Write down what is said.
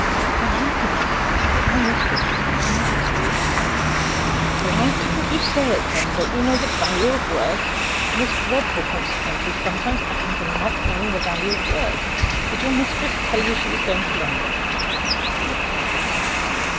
"I only meant that my mistress was not in good spirits, sir." "Why couldn't you say it, then? Don't you know the value of words? The most dreadful consequences sometimes happen from not knowing the value of words. Did your mistress tell you she was going to London?" "Yes, sir."